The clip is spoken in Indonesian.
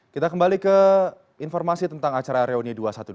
kita kembali ke informasi tentang acara reuni dua ratus dua belas